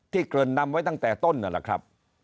ที่เกิดนำไว้ตั้งแต่ต้นนั่นล่ะครับ